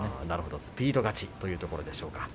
スピード勝ちというところでしょうか。